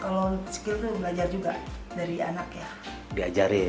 kalau skill itu belajar juga dari anak ya diajarin